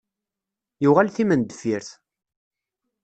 Yuɣal timendeffirt.